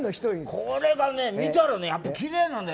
これが見たらきれいなんだよ。